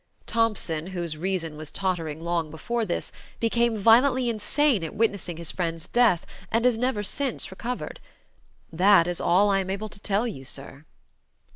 Thompson, whose reason was tottering long before this, became violently insane at witnessing his friend's death, and has never since recovered. That is all I am able to tell you, sir."